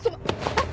あっ！